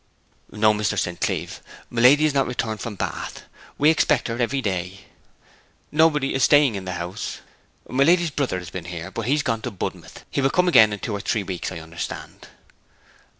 'No, Mr. St. Cleeve; my lady has not returned from Bath. We expect her every day.' 'Nobody staying in the house?' 'My lady's brother has been here; but he is gone on to Budmouth. He will come again in two or three weeks, I understand.'